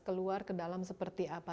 keluar ke dalam seperti apa